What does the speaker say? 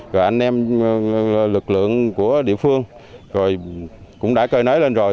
rồi anh em lực lượng của địa phương rồi cũng đã cơi nới lên rồi